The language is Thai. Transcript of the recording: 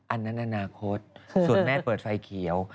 อันนั้นอนาคตส่วนแม่เปิดไฟเขียว